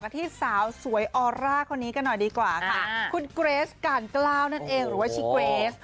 ที่สาวสวยออร่าคนนี้กันหน่อยดีกว่าค่ะคุณเกรสการกล้าวนั่นเองหรือว่าชิเกรส